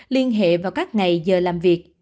liên hệ vào các ngày giờ làm việc